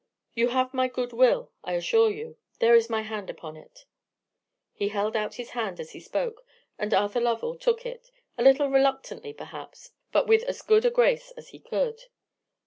You have my good will, I assure you. There is my hand upon it." He held out his hand as he spoke, and Arthur Lovell took it, a little reluctantly perhaps, but with as good a grace as he could.